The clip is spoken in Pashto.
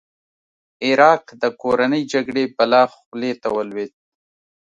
عراق د کورنۍ جګړې بلا خولې ته ولوېد.